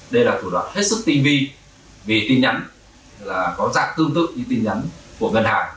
đây là thủ đoạn hết sức tinh vi vì tin nhắn là có dạng tương tự như tin nhắn của ngân hàng